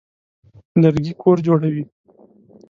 لرګي کور جوړوي.